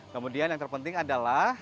kemudian yang terpenting adalah